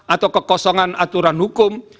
atau kekosongan aturan hukum